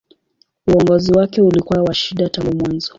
Uongozi wake ulikuwa wa shida tangu mwanzo.